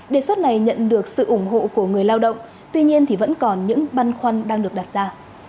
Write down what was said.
đề xuất này nhận được sự ủng hộ của người lao động tuy nhiên thì vẫn còn những băn khoăn đang được đặt ra